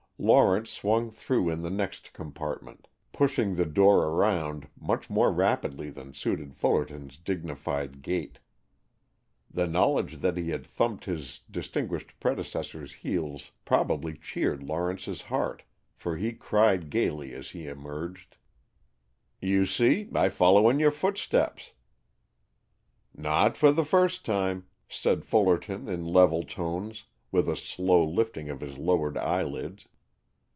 Lawrence swung through in the next compartment, pushing the door around much more rapidly than suited Fullerton's dignified gait. The knowledge that he had thumped his distinguished predecessor's heels probably cheered Lawrence's heart, for he cried gayly as he emerged, "You see I follow in your footsteps." "Not for the first time," said Fullerton in level tones, with a slow lifting of his lowered eyelids.